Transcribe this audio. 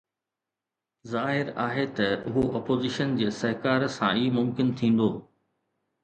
ظاهر آهي ته اهو اپوزيشن جي سهڪار سان ئي ممڪن ٿيندو.